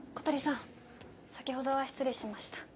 先ほどは失礼しました。